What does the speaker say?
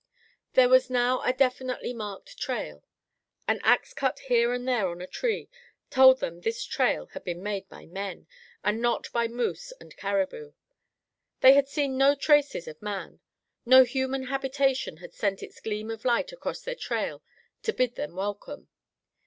There was now a definitely marked trail. An ax cut here and there on a tree told them this trail had been made by men, and not by moose and caribou. They had seen no traces of man. No human habitation had sent its gleam of light across their trail to bid them welcome.